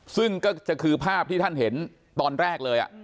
ซึ่งก็คือภาพที่ท่านเห็นตอนแรกเลย